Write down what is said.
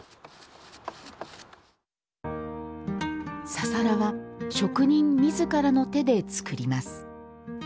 ササラは職人みずからの手で作ります。